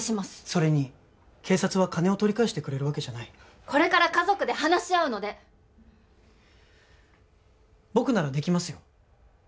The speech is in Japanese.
それに警察は金を取り返してくれるわけじゃないこれから家族で話し合うので僕ならできますよ